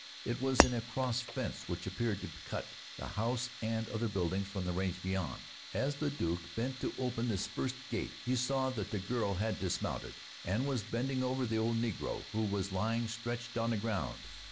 It was in a cross fence which appeared to cut the house and other buildings from the range beyond. As the Duke bent to open this first gate he saw that the girl had dismounted and was bending over the old negro, who was lying stretched on the ground.